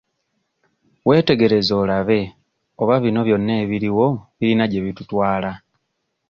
Weetegereze olabe oba bino byonna ebiriwo birina gye bitutwala.